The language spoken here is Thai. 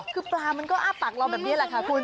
คือปลามันก็อ้าปากเราแบบนี้แหละค่ะคุณ